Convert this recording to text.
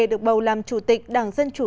được bầu làm chủ tịch đảng dân chủ